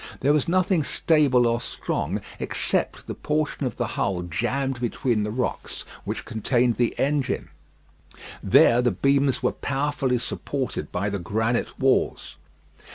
There was nothing stable or strong except the portion of the hull jammed between the rocks which contained the engine. There the beams were powerfully supported by the granite walls.